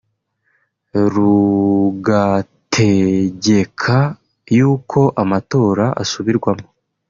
rugategeka yuko amatora asubirwamo